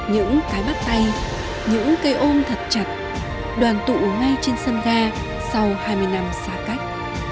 những cái bắt tay những cây ôm thật chặt đoàn tụ ngay trên sân ga sau hai mươi năm xa cách